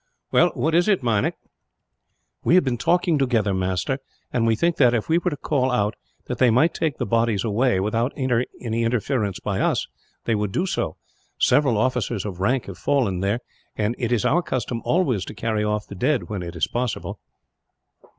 "Well, what is it, Meinik?" "We have been talking together, master; and we think that, if we were to call out that they might take the bodies away, without any interference by us, they would do so. Several officers of rank have fallen there, and it is our custom always to carry off the dead, when it is possible."